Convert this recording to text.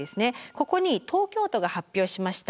ここに東京都が発表しました